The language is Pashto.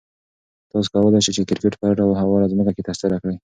تاسو کولای شئ چې کرکټ په هر ډول هواره ځمکه کې ترسره کړئ.